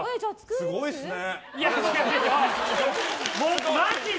すごいですね。